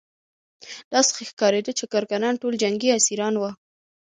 داسې ښکارېده چې کارګران ټول جنګي اسیران وو